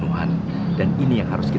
udah pulang ya ampun